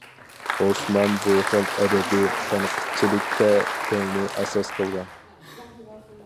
ئوسمان بۇ خىل ئەدەبىي تەنقىدچىلىكتە تىلنى ئاساس قىلغان.